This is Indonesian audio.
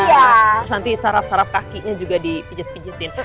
terus nanti saraf saraf kakinya juga dipijetin